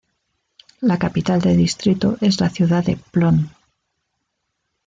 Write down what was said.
La capital de distrito es la ciudad de Plön.